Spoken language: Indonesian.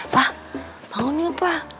pak bangun yuk pak